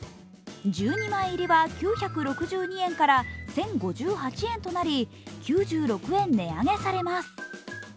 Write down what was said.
１２枚入りは９６２円から１０５８円となり９６円値上げされます。